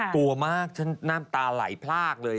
กลัวมากฉันน้ำตาไหลพลากเลย